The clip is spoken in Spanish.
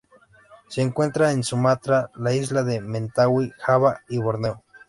Se encuentra en Sumatra, la isla de Mentawai, Java y Borneo.